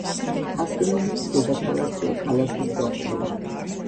ავტონომიის დედაქალაქია ქალაქი სოხუმი.